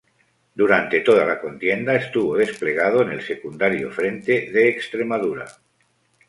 Durante toda la contienda estuvo desplegado en el secundario frente de Extremadura.